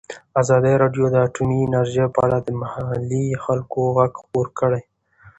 ازادي راډیو د اټومي انرژي په اړه د محلي خلکو غږ خپور کړی.